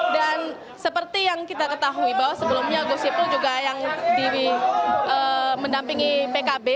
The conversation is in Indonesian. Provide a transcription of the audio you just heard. dan seperti yang kita ketahui bahwa sebelumnya gusipul juga yang mendampingi pkb